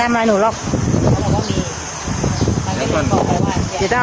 มานึกว่า